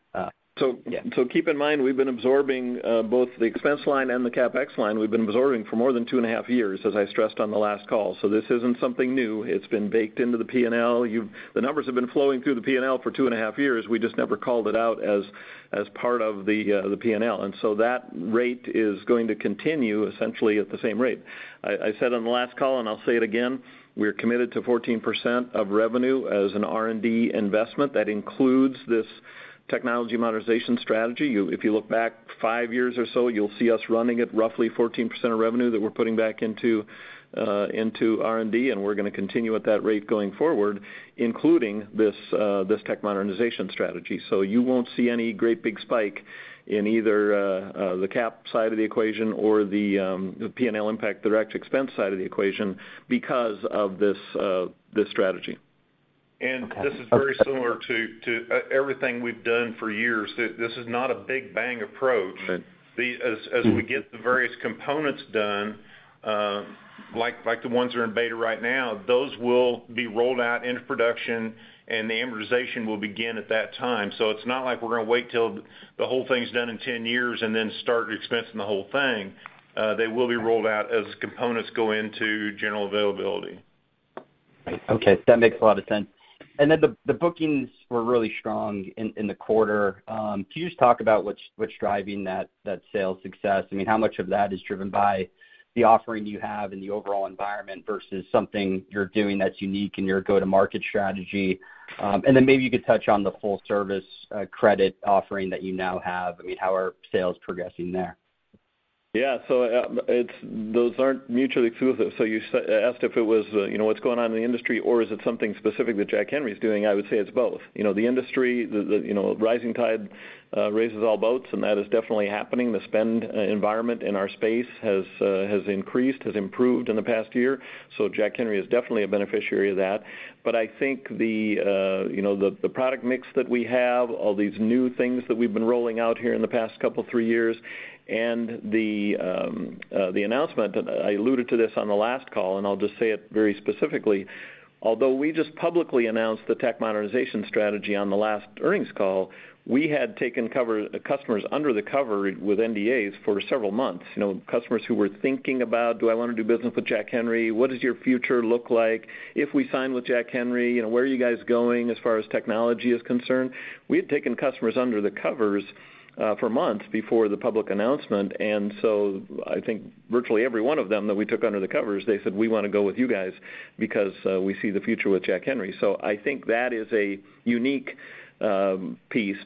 So- Yeah. Keep in mind, we've been absorbing both the expense line and the CapEx line. We've been absorbing for more than two and a half years, as I stressed on the last call. This isn't something new. It's been baked into the P&L. The numbers have been flowing through the P&L for two and a half years. We just never called it out as part of the P&L. That rate is going to continue essentially at the same rate. I said on the last call, and I'll say it again, we're committed to 14% of revenue as an R&D investment. That includes this technology modernization strategy. If you look back five years or so, you'll see us running at roughly 14% of revenue that we're putting back into R&D, and we're gonna continue at that rate going forward, including this tech modernization strategy. You won't see any great big spike in either the CapEx side of the equation or the P&L impact, direct-to-expense side of the equation because of this strategy. Okay. This is very similar to everything we've done for years. This is not a big bang approach. Right. As we get the various components done, like the ones that are in beta right now, those will be rolled out into production, and the amortization will begin at that time. It's not like we're gonna wait till the whole thing's done in 10 years and then start expensing the whole thing. They will be rolled out as components go into general availability. Okay. That makes a lot of sense. The bookings were really strong in the quarter. Can you just talk about what's driving that sales success? I mean, how much of that is driven by the offering you have in the overall environment versus something you're doing that's unique in your go-to-market strategy? Maybe you could touch on the full service credit offering that you now have. I mean, how are sales progressing there? Yeah. Those aren't mutually exclusive. You asked if it was, you know, what's going on in the industry or is it something specific that Jack Henry is doing? I would say it's both. You know, the industry, you know, rising tide raises all boats, and that is definitely happening. The spend environment in our space has increased, has improved in the past year. Jack Henry is definitely a beneficiary of that. I think you know, the product mix that we have, all these new things that we've been rolling out here in the past couple, three years, and the announcement. I alluded to this on the last call, and I'll just say it very specifically, although we just publicly announced the tech modernization strategy on the last earnings call, we had taken customers under the covers with NDAs for several months. You know, customers who were thinking about, do I wanna do business with Jack Henry? What does your future look like? If we sign with Jack Henry, you know, where are you guys going as far as technology is concerned? We had taken customers under the covers for months before the public announcement. I think virtually every one of them that we took under the covers, they said, "We wanna go with you guys because we see the future with Jack Henry." I think that is a unique piece.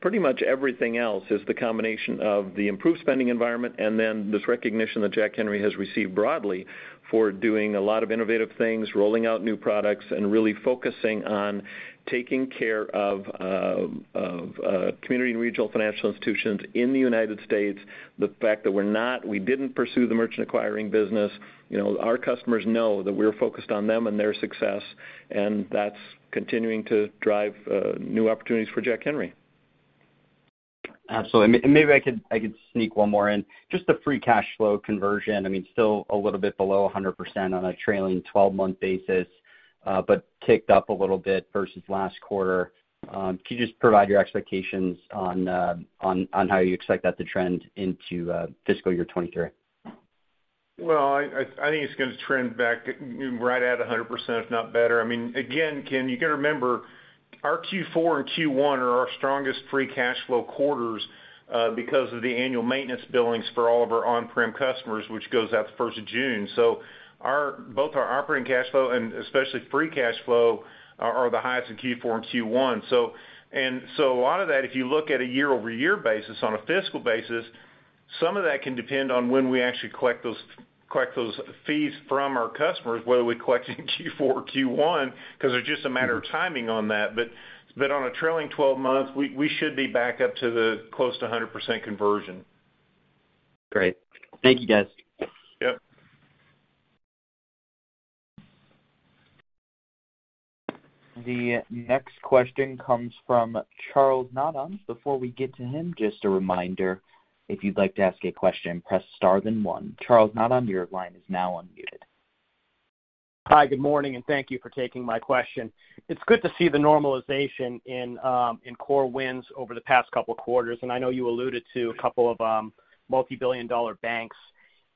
Pretty much everything else is the combination of the improved spending environment and then this recognition that Jack Henry has received broadly for doing a lot of innovative things, rolling out new products, and really focusing on taking care of community and regional financial institutions in the United States. The fact that we didn't pursue the merchant acquiring business, you know. Our customers know that we're focused on them and their success, and that's continuing to drive new opportunities for Jack Henry. Absolutely. Maybe I could sneak one more in. Just the free cash flow conversion, I mean, still a little bit below 100% on a trailing twelve-month basis, but ticked up a little bit versus last quarter. Could you just provide your expectations on how you expect that to trend into fiscal year 2023? Well, I think it's gonna trend back, you know, right at 100%, if not better. I mean, again, Ken, you gotta remember our Q4 and Q1 are our strongest free cash flow quarters because of the annual maintenance billings for all of our on-prem customers, which goes out the first of June. Both our operating cash flow and especially free cash flow are the highest in Q4 and Q1. A lot of that, if you look at a year-over-year basis on a fiscal basis, some of that can depend on when we actually collect those fees from our customers, whether we collect in Q4 or Q1, 'cause they're just a matter of timing on that. But on a trailing twelve months, we should be back up to close to 100% conversion. Great. Thank you guys. Yep. The next question comes from Charles Nabhan. Before we get to him, just a reminder, if you'd like to ask a question, press star then one. Charles Nabhan, your line is now unmuted. Hi, good morning, and thank you for taking my question. It's good to see the normalization in core wins over the past couple of quarters. I know you alluded to a couple of multi-billion dollar banks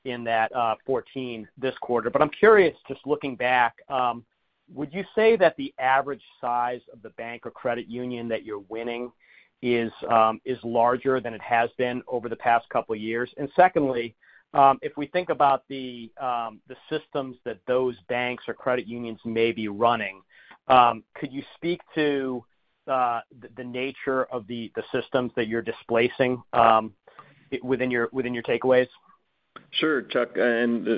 in that 14 this quarter. I'm curious, just looking back, would you say that the average size of the bank or credit union that you're winning is larger than it has been over the past couple of years? Secondly, if we think about the systems that those banks or credit unions may be running, could you speak to the nature of the systems that you're displacing within your takeaways? Sure, Charles,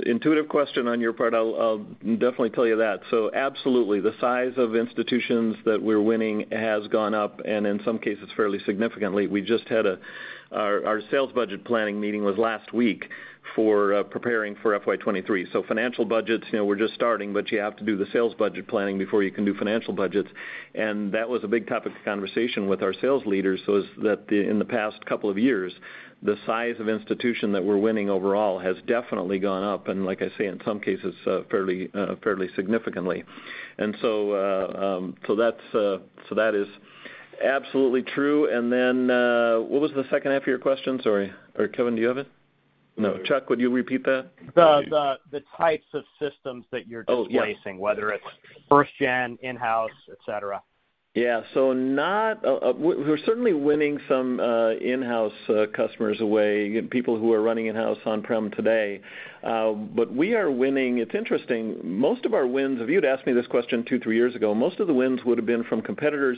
intuitive question on your part. I'll definitely tell you that. Absolutely. The size of institutions that we're winning has gone up, and in some cases fairly significantly. We just had our sales budget planning meeting last week for preparing for FY 2023. Financial budgets, you know, we're just starting, but you have to do the sales budget planning before you can do financial budgets. That was a big topic of conversation with our sales leaders that in the past couple of years, the size of institution that we're winning overall has definitely gone up. Like I say, in some cases fairly significantly. That is absolutely true. Then, what was the H2 of your question? Sorry. Or Kevin, do you have it? No. Chuck, would you repeat that? The types of systems that you're displacing. Oh, yeah. whether it's first gen, in-house, et cetera. We're certainly winning some in-house customers away, people who are running in-house on-prem today. We are winning. It's interesting, most of our wins, if you'd asked me this question two, three years ago, most of the wins would have been from competitors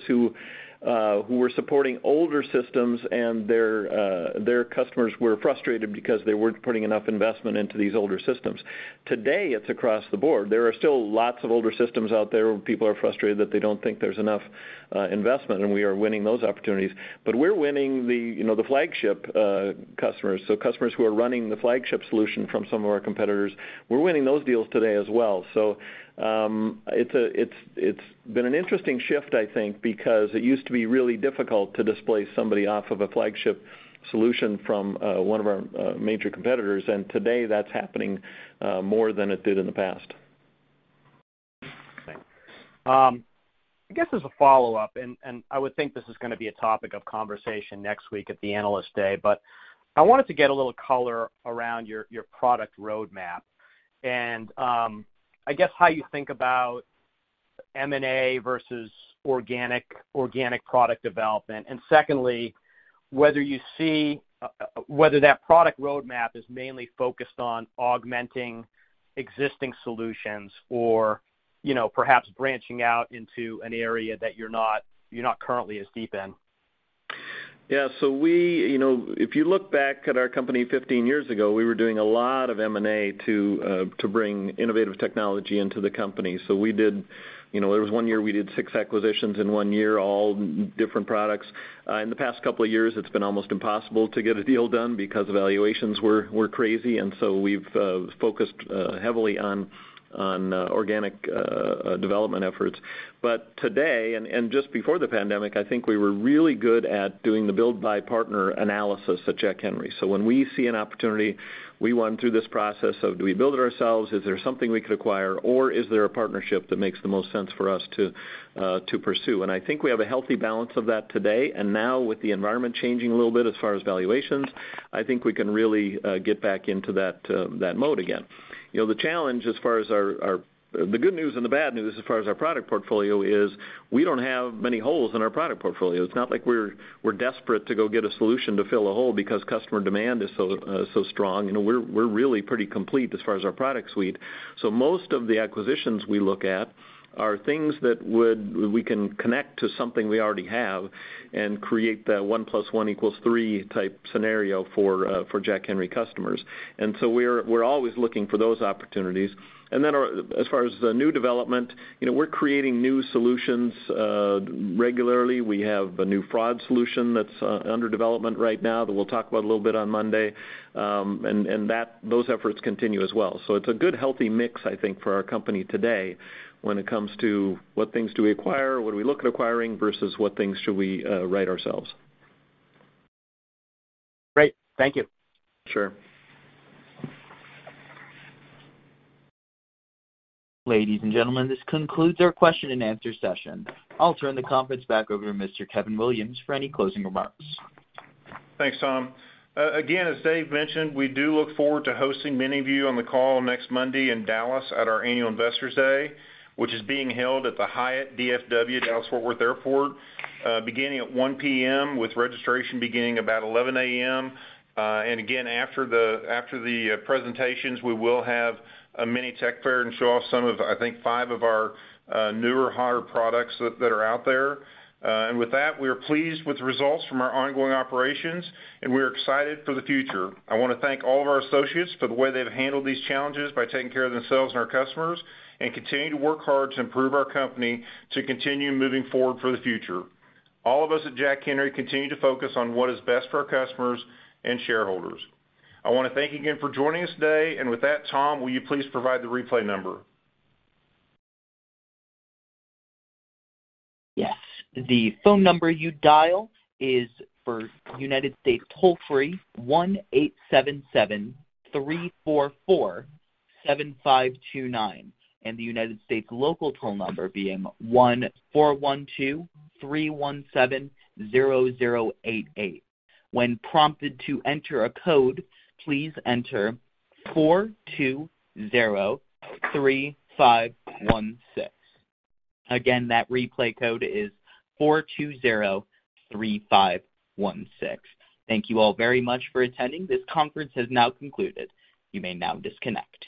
who were supporting older systems and their customers were frustrated because they weren't putting enough investment into these older systems. Today, it's across the board. There are still lots of older systems out there where people are frustrated that they don't think there's enough investment, and we are winning those opportunities. We're winning the, you know, the flagship customers. Customers who are running the flagship solution from some of our competitors, we're winning those deals today as well. It's been an interesting shift I think because it used to be really difficult to displace somebody off of a flagship solution from one of our major competitors. Today that's happening more than it did in the past. Thanks. I guess as a follow-up, I would think this is gonna be a topic of conversation next week at the Analyst Day, but I wanted to get a little color around your product roadmap, and I guess how you think about M&A versus organic product development. Secondly, whether you see that product roadmap is mainly focused on augmenting existing solutions or, you know, perhaps branching out into an area that you're not currently as deep in. You know, if you look back at our company 15 years ago, we were doing a lot of M&A to bring innovative technology into the company. We did, you know, there was one year we did six acquisitions in one year, all different products. In the past couple of years, it's been almost impossible to get a deal done because valuations were crazy. We've focused heavily on organic development efforts. Today and just before the pandemic, I think we were really good at doing the build-buy-partner analysis at Jack Henry. When we see an opportunity, we run through this process of do we build it ourselves? Is there something we could acquire or is there a partnership that makes the most sense for us to pursue? I think we have a healthy balance of that today. Now with the environment changing a little bit as far as valuations, I think we can really get back into that mode again. You know, the challenge as far as the good news and the bad news as far as our product portfolio is we don't have many holes in our product portfolio. It's not like we're desperate to go get a solution to fill a hole because customer demand is so strong. You know, we're really pretty complete as far as our product suite. Most of the acquisitions we look at are things we can connect to something we already have and create that one plus one equals three type scenario for Jack Henry customers. We're always looking for those opportunities. As far as the new development, you know, we're creating new solutions regularly. We have a new fraud solution that's under development right now that we'll talk about a little bit on Monday. And those efforts continue as well. It's a good, healthy mix, I think, for our company today when it comes to what things do we acquire, what do we look at acquiring versus what things should we write ourselves. Great. Thank you. Sure. Ladies and gentlemen, this concludes our question and answer session. I'll turn the conference back over to Mr. Kevin Williams for any closing remarks. Thanks, Tom. Again, as Dave mentioned, we do look forward to hosting many of you on the call next Monday in Dallas at our Annual Investors Day, which is being held at the Hyatt DFW, Dallas Fort Worth Airport, beginning at 1:00 P.M. with registration beginning about 11:00 A.M. Again, after the presentations, we will have a mini tech fair and show off some of, I think, five of our newer, hotter products that are out there. With that, we are pleased with the results from our ongoing operations, and we're excited for the future. I wanna thank all of our associates for the way they've handled these challenges by taking care of themselves and our customers, and continue to work hard to improve our company to continue moving forward for the future. All of us at Jack Henry continue to focus on what is best for our customers and shareholders. I wanna thank you again for joining us today. With that, Tom, will you please provide the replay number? Yes. The phone number you dial is for United States toll-free 1-877-344-7529, and the United States local toll number being 1-412-317-0088. When prompted to enter a code, please enter 4203516. Again, that replay code is 4203516. Thank you all very much for attending. This conference has now concluded. You may now disconnect.